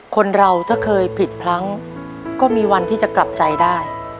คนเราถ้าเคยผิดพลั้งก็มีวันที่จะกลับใจได้